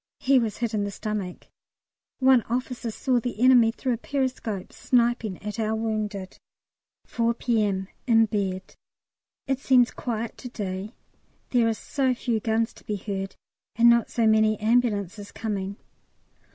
He was hit in the stomach. One officer saw the enemy through a periscope sniping at our wounded. 4 P.M. In bed. It seems quiet to day; there are so few guns to be heard, and not so many ambulances coming.